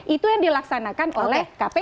itu yang dilaksanakan oleh kpu